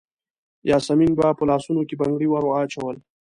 یاسمین به په لاسونو کې بنګړي وراچول.